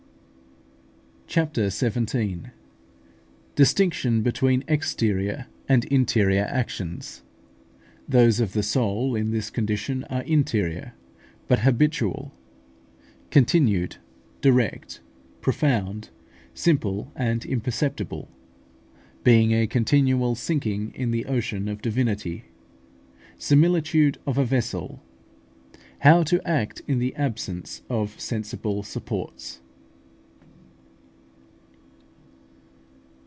CHAPTER XVII. DISTINCTION BETWEEN EXTERIOR AND INTERIOR ACTIONS THOSE OF THE SOUL IN THIS CONDITION ARE INTERIOR, BUT HABITUAL, CONTINUED, DIRECT, PROFOUND, SIMPLE, AND IMPERCEPTIBLE BEING A CONTINUAL SINKING IN THE OCEAN OF DIVINITY SIMILITUDE OF A VESSEL HOW TO ACT IN THE ABSENCE OF SENSIBLE SUPPORTS.